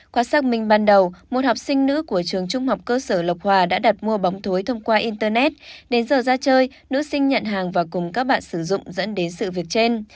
qua xác minh ban đầu một học sinh nữ của trường trung học cơ sở lộc hòa đã đặt mua bóng thối thông qua internet đến giờ ra chơi nữ sinh nhận hàng và cùng các bạn sử dụng dẫn đến sự việc trên